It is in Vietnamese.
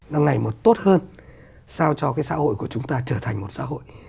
nó ngày một tốt hơn sao cho cái xã hội của chúng ta trở thành một xã hội